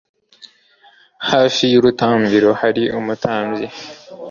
Hafi yurutambiro hari umutambyi